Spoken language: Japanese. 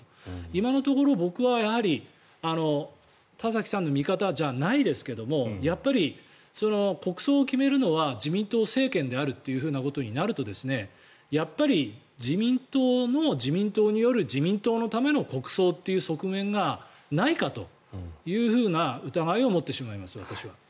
今のところ僕はやはり田崎さんの見方じゃないですがやっぱり国葬を決めるのは自民党政権であるということになるとやっぱり自民党の自民党による自民党のための国葬という側面がないかというふうな疑いを持ってしまいます、私は。